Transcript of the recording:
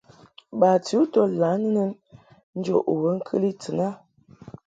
Bati u to lǎ nɨnɨn njə u be ŋkɨli tɨn a.